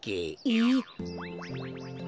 えっ？